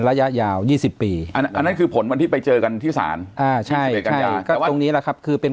ระยะยาว๒๐ปีอันนั้นคือผลวันที่ไปเจอกันที่ศาลตรงนี้แหละครับคือเป็น